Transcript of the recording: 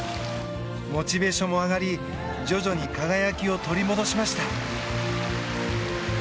モチベーションも上がり徐々に輝きを取り戻しました。